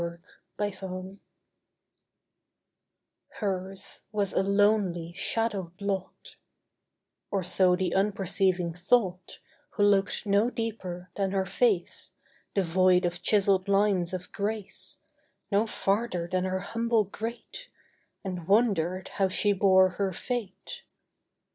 REALISATION Hers was a lonely, shadowed lot; Or so the unperceiving thought, Who looked no deeper than her face, Devoid of chiselled lines of grace— No farther than her humble grate, And wondered how she bore her fate.